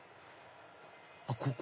あっここ？